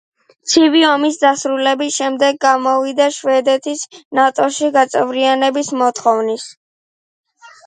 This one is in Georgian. ცივი ომის დასრულების შემდეგ გამოვიდა შვედეთის ნატოში გაწევრიანების მოთხოვნით.